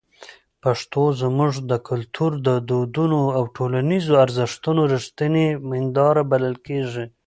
پښتو زموږ د کلتور، دودونو او ټولنیزو ارزښتونو رښتینې هنداره بلل کېږي.